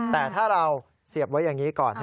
แต่ถ้าเราเสียบไว้อย่างนี้ก่อน